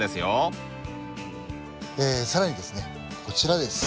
更にですねこちらです。